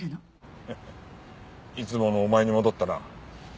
ハハッいつものお前に戻ったな。